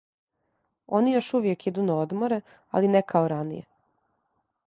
Они још увијек иду на одморе, али не као раније.